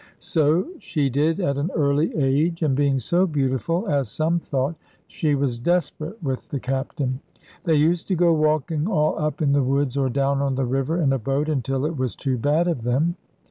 So she did at an early age; and being so beautiful as some thought, she was desperate with the Captain. They used to go walking all up in the woods, or down on the river in a boat, until it was too bad of them.